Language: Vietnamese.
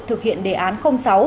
thực hiện đề án sáu